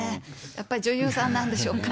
やっぱり女優さんなんでしょうか。